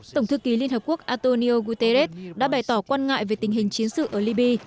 tổng thư ký liên hợp quốc antonio guterres đã bày tỏ quan ngại về tình hình chiến sự ở liby